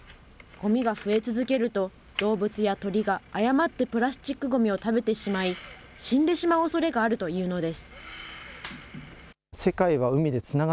ごみが増え続けると、動物や鳥が誤ってプラスチックごみを食べてしまい、死んでしまうおそれがあるというのです。